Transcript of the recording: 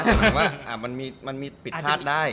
แต่ว่ามันมีมันมีปิดพลาดได้